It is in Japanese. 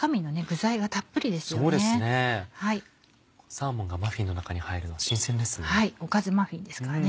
サーモンがマフィンの中に入るのは新鮮ですね。